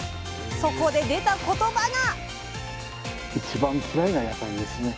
そこで出た言葉が。